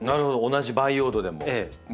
同じ培養土でも。